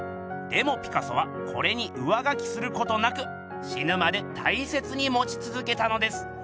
でもピカソはこれに上書きすることなくしぬまで大切にもちつづけたのです。